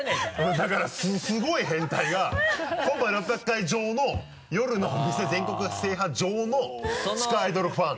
だからすごい変態がコンパ６００回乗の夜のお店全国制覇乗の地下アイドルファン。